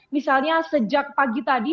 misalnya sejak pagi tadi